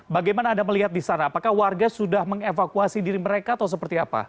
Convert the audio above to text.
bagaimana anda melihat di sana apakah warga sudah mengevakuasi diri mereka atau seperti apa